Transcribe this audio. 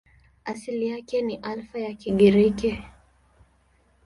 Asili yake ni Alfa ya Kigiriki.